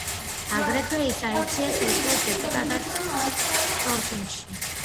აგრეთვე ის აირჩიეს ოსლოს დეპუტატად სტორთინგში.